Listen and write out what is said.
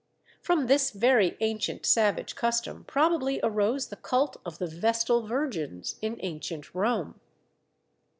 From this very ancient savage custom probably arose the cult of the Vestal Virgins in Ancient Rome.